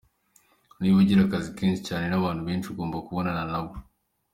Niba ugira akazi kenshi cyane n’abantu benshi ugomba kubonana nabo.